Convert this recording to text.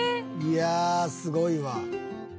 いやあすごいわ。